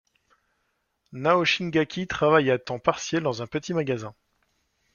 Nao Shingaki travaille à temps partiel dans un petit magasin.